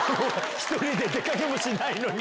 １人で出かけもしないのに。